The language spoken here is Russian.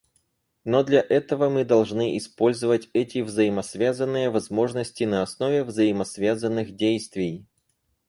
Но для этого мы должны использовать эти взаимосвязанные возможности на основе взаимосвязанных действий.